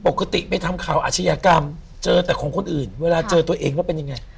ปกติไปทำข่าวอาชญากรรมเจอแต่ของคนอื่นเวลาเจอตัวเองแล้วเป็นยังไง